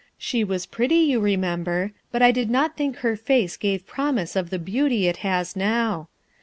She was pretty, you remember, but I did not think her face gave promise of the beauty it has now.